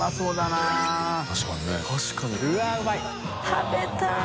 食べたい。